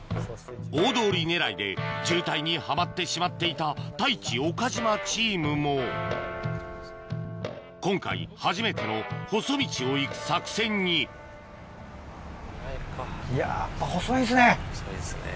大通り狙いで渋滞にはまってしまっていた太一・岡島チームも今回初めての細道を行く作戦にいややっぱ細いですね。